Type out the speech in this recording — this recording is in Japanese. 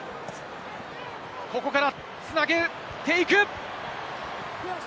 ここから繋げていく。